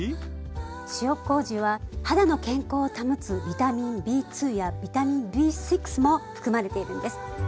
塩麹は肌の健康を保つビタミンＢやビタミンＢも含まれているんです。